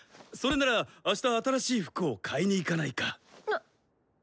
それならあした新しい服を買いに行かないか？